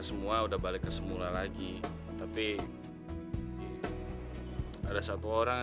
sampai jumpa di video selanjutnya